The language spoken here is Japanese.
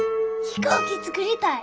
飛行機作りたい！